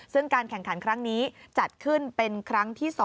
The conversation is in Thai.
ซึ่งการแข่งขันครั้งนี้จัดขึ้นเป็นครั้งที่๒